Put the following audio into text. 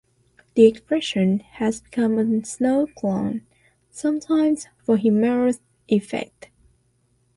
The expression has become a snowclone, sometimes for humorous effect.